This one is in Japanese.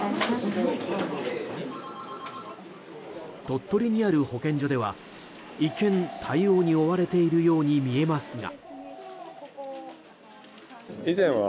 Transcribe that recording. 鳥取にある保健所では一見、対応に追われているように見えますが。